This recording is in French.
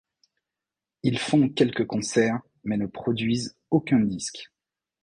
Ils font quelques concerts mais ne produisent aucun disque.